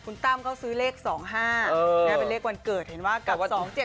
คุณตั้มเขาซื้อเลข๒๕เป็นเลขวันเกิดเห็นว่ากับ๒๗๗